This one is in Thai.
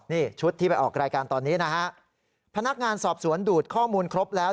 นี่ชุดที่ไปออกรายการตอนนี้นะฮะพนักงานสอบสวนดูดข้อมูลครบแล้ว